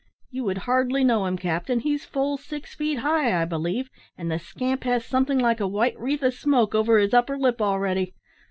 You would hardly know him, captain. He's full six feet high, I believe, and the scamp has something like a white wreath of smoke over his upper lip already!